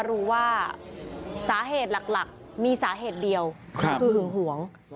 รู้ว่าสาเหตุหลักมีสาเหตุเดียวคือหึงหวง